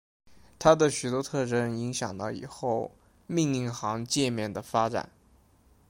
它的许多特征影响了以后命令行界面的发展。